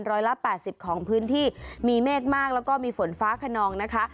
ร้อยละแปดสิบของพื้นที่มีเมฆมากแล้วก็มีฝนฟ้าขนองนะคะ